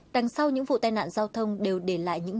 đằng sau những vụ tai nạn giao thông đều để lại những